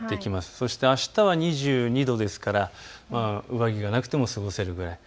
そしてあしたは２２度ですから上着がなくても過ごせるぐらい。